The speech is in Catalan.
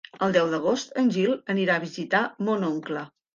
El deu d'agost en Gil anirà a visitar mon oncle.